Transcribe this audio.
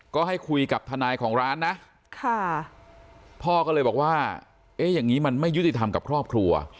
ก็ให้คุยกับทนายของร้านนะพ่อก็เลยบอกว่าเอ๊ะอย่างนี้มันไม่ยุติธรรมกับครอบครัว